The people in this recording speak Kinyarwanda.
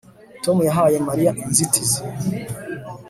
Tom yahaye Mariya inzitizi